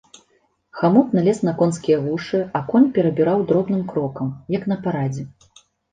Хамут налез на конскія вушы, а конь перабіраў дробным крокам, як на парадзе.